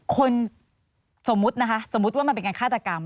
คนสมมุตินะคะสมมุติว่ามันเป็นการฆาตกรรม